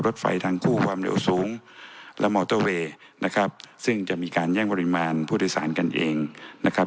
รถไฟทางคู่ความเร็วสูงและมอเตอร์เวย์นะครับซึ่งจะมีการแย่งปริมาณผู้โดยสารกันเองนะครับ